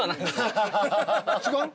違う？